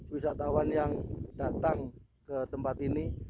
wisatawan yang datang ke tempat ini